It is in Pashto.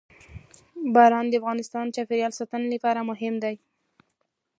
باران د افغانستان د چاپیریال ساتنې لپاره مهم دي.